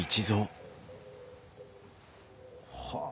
はあ。